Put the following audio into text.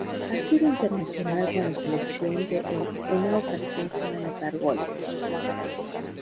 Ha sido internacional con la selección de en una ocasión sin anotar goles.